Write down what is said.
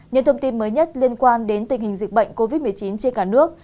những thông tin mới nhất liên quan đến tình hình dịch bệnh covid một mươi chín trên cả nước